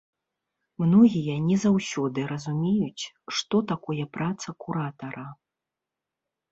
Многія не заўсёды разумеюць, што такое праца куратара.